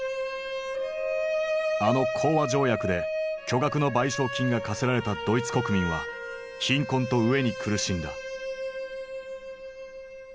あの講和条約で巨額の賠償金が科せられたドイツ国民は貧困と飢えに苦しんだ。